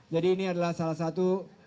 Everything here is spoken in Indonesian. jadi ini adalah salah satu